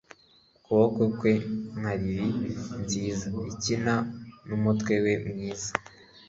ukuboko kwe, nka lili nziza, ikina n'umutwe we mwiza